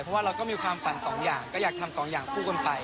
เพราะว่าเราก็มีความฝันสองอย่างก็อยากทำสองอย่างคู่กันไป